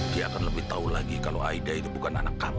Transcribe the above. dia akan lebih tahu lagi kalau aida itu bukan anak kamu